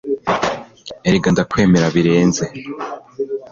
erega ndakwemera birenze